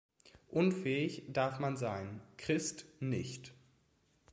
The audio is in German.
Unfähig darf man sein, Christ nicht.